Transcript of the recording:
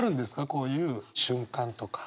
こういう瞬間とか。